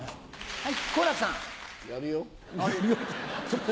はい。